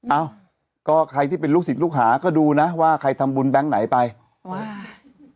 เอ้าก็ใครที่เป็นลูกศิษย์ลูกหาก็ดูนะว่าใครทำบุญแบงค์ไหนไปมา